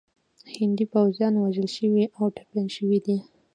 هندي پوځیان وژل شوي او ټپیان شوي دي.